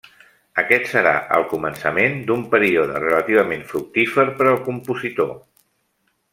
Aquest serà el començament d'un període relativament fructífer per al compositor.